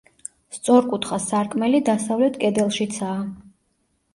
სწორკუთხა სარკმელი დასავლეთ კედელშიცაა.